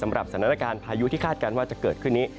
สำหรับสถานการณ์พายุที่คาดการณ์ว่าจะเกิดขึ้นนี้